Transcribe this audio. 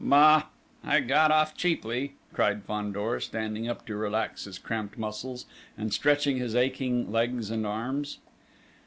"Bah! I've got off cheaply!" cried Fandor, standing up to relax his cramped muscles and stretching his aching legs and arms.